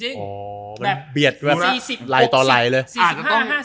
อ๋อมันเบียดดูนะลายต่อลายเลย